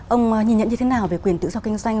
ông nhìn nhận như thế nào về quyền tự do kinh doanh